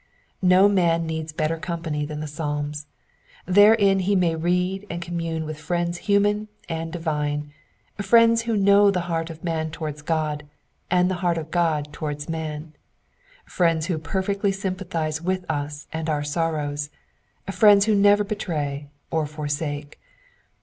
No man needs better company than the Psalms ; therein he may read and commune with friends human and divine ; friends who know the heart of man towards God, and the heart of God towards man ; friends who perfectly sympathize with us and our sorrows, friends who never betray or forsake.